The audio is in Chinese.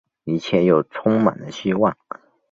一切又充满了希望